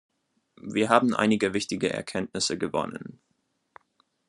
Wir haben einige wichtige Erkenntnisse gewonnen.